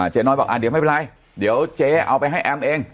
เจ๊น้อยบอกเดี๋ยวไม่เป็นไรเดี๋ยวเจ๊เอาไปให้แอมเอง